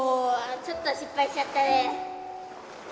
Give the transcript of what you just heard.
ちょっと失敗しちゃったね。